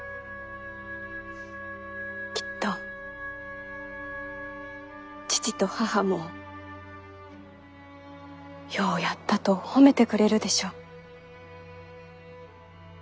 きっと父と母もようやったと褒めてくれるでしょう。